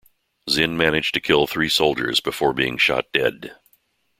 Zin managed to kill three soldiers before being shot dead.